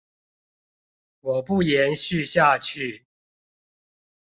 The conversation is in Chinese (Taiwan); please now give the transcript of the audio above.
我不延續下去